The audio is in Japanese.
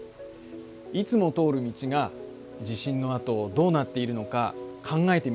いつも通る道が地震のあとどうなっているのか考えてみてください。